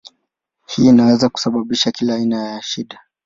Hii inaweza kusababisha kila aina ya shida.